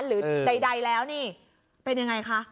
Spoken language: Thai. หรือใดแล้วนี่เป็นยังไงคะ